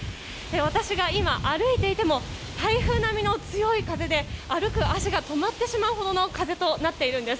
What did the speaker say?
私が今、歩いていても台風並みの強い風で歩く足が止まってしまうほどの風となっているんです。